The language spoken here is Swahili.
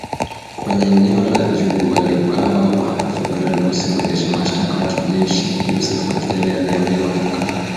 kwenye eneo la Djubu waliuawa hapo Februari mosi mwendesha mashtaka wa kijeshi Joseph Makelele aliiambia mahakama